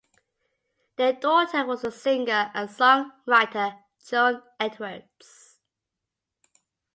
Their daughter was the singer and songwriter Joan Edwards.